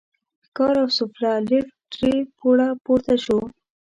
ښکار او سوفله، لېفټ درې پوړه پورته شو.